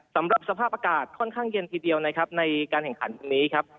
สำหรับสภาพอากาศค่อนข้างเย็นทีเดียวนะครับในการแข่งขันตรงนี้ครับ